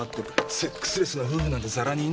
セックスレスの夫婦なんてざらにいんのにな。